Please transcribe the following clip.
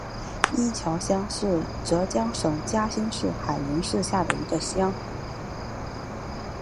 伊桥乡是浙江省嘉兴市海宁市下的一个乡。